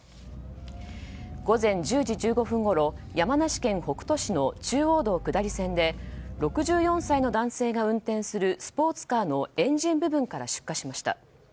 午前１０時１５分ごろ山梨県北杜市の中央道下り線で６４歳の男性が運転するスポーツカーのエンジン部分から出火しました。